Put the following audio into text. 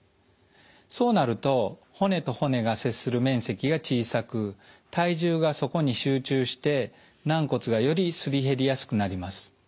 そうなると骨と骨が接する面積が小さく体重がそこに集中して軟骨がよりすり減りやすくなります。